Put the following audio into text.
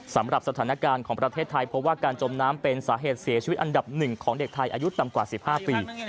สำหรับสถานการณ์ของประเทศไทยพบว่าการจมน้ำเป็นสาเหตุเสียชีวิตอันดับ๑ของเด็กไทยอายุต่ำกว่า๑๕ปี